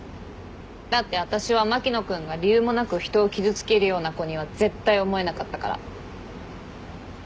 だって私は牧野君が理由もなく人を傷つけるような子には絶対思えなかったから。